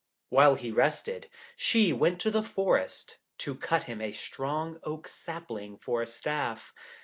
While he rested, she went to the forest, to cut him a strong oak sapling for a staff.